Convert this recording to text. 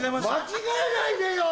間違えないでよ！